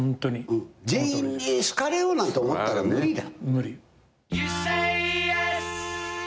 全員に好かれようなんて思ったら無理だ。